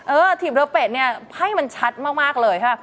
ถีบเรือเป็ดเนี่ยไพ่มันชัดมากเลยค่ะ